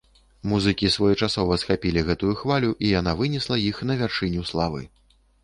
Музыкі своечасова схапілі гэтую хвалю і яна вынесла іх на вяршыню славы.